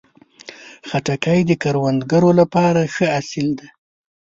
خټکی د کروندګرو لپاره ښه حاصل دی.